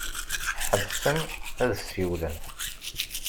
Ḥebsen ad ssiwlen.